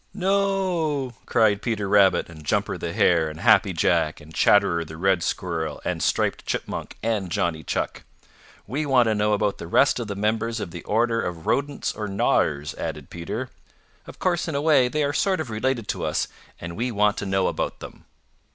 "No," cried Peter Rabbit and Jumper the Hare and Happy Jack and Chatterer the Red Squirrel and Striped Chipmunk and Johnny Chuck. "We want to know about the rest of the members of the order of Rodents or Gnawers," added Peter. "Of course in a way they are sort of related to us and we want to know about them."